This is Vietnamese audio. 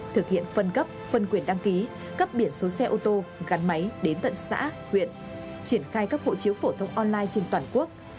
thực hiện phân cấp phân quyền đăng ký cấp biển số xe ô tô gắn máy đến tận xã huyện triển khai các hộ chiếu phổ thông online trên toàn quốc